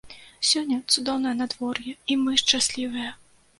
Сёння цудоўнае надвор'е, і мы шчаслівыя.